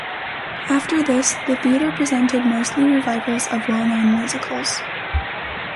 After this, the theatre presented mostly revivals of well-known musicals.